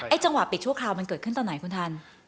จังหวะปิดชั่วคราวมันเกิดขึ้นตอนไหนคุณทัน